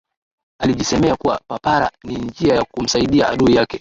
Alijisemea kuwa papara ni njia ya kumsaidia adui yake